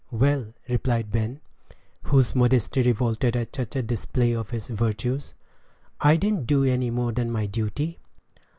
"Well," replied Ben, whose modesty revolted at such a display of his virtues, "I didn't do any more than my duty."